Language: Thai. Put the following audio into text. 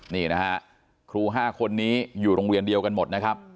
นี่นะฮะครู๕คนนี้อยู่โรงเรียนเดียวกันหมดนะครับ